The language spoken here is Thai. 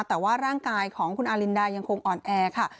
แต่ว่าร่างกายของคุณอารินดายังคงอ่อนแอค่ะ